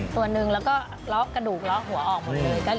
ตัวหนึ่งแล้วก็เลาะกระดูกเลาะหัวออกหมดเลย